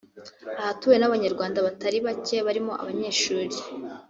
ahatuwe n’abanyarwanda batari bake barimo abanyeshuri